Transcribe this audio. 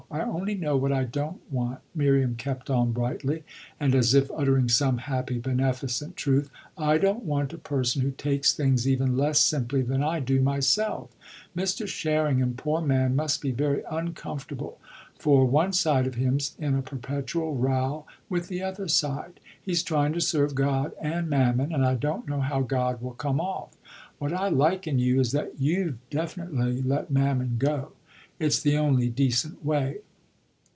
I only know what I don't want," Miriam kept on brightly and as if uttering some happy, beneficent truth. "I don't want a person who takes things even less simply than I do myself. Mr. Sherringham, poor man, must be very uncomfortable, for one side of him's in a perpetual row with the other side. He's trying to serve God and Mammon, and I don't know how God will come off. What I like in you is that you've definitely let Mammon go it's the only decent way.